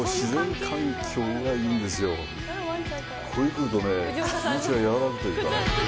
ここに来るとね気持ちが和らぐというかね。